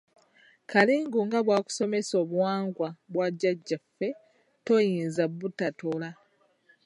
Kalingu nga bw’akusomesa obuwangwa bwa bajjajjaffe toyinza butatoola.